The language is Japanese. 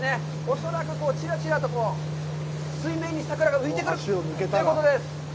恐らくちらちらと水面に桜が浮いてくるということです。